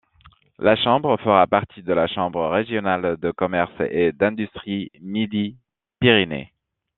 La chambre fera partie de la Chambre régionale de commerce et d'industrie Midi-Pyrénées.